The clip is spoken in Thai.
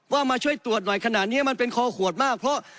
มาช่วยตรวจหน่อยขนาดนี้มันเป็นคอขวดมากเพราะ